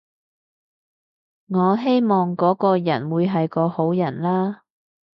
我希望嗰個人會係個好人啦